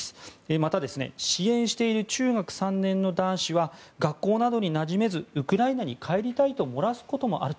また、支援している中学３年の男子は学校などになじめずウクライナに帰りたいともらすこともあったと。